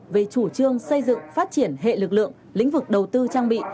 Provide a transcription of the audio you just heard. về chủ trương xây dựng phát triển hệ lực lượng lĩnh vực đầu tư trang bị